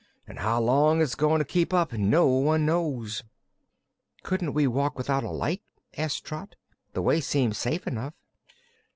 An' how long it's goin' to keep up, no one knows." "Couldn't we walk without a light?" asked Trot. "The way seems safe enough."